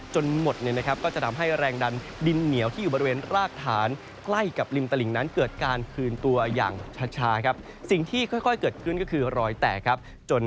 จนหมดเนี่ยนะครับ